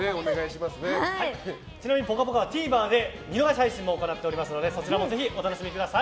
ちなみに「ぽかぽか」はＴＶｅｒで見逃し配信も行っておりますのでそちらもお楽しみください。